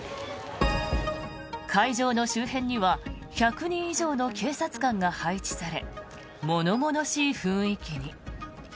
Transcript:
会場の周辺には１００人以上の警察官が配置され物々しい雰囲気に。